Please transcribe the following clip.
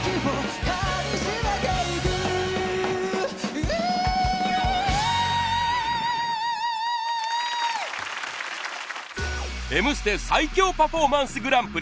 「Ｕｈ．．．」『Ｍステ』最強パフォーマンスグランプリ